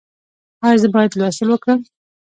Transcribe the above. ایا زه باید لوستل وکړم؟